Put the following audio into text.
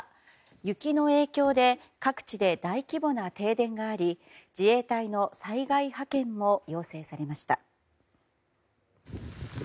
雪の影響で各地で大規模な停電があり自衛隊の災害派遣も要請されました。